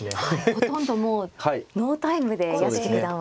ほとんどもうノータイムで屋敷九段は指して。